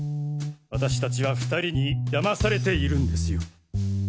私たちは２人にだまされているんですよ。